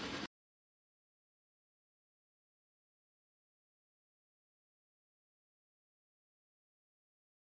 โปรดติดตามตอนต่อไป